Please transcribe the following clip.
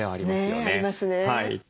ねえありますね。